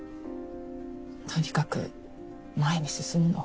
とにかく前に進むの。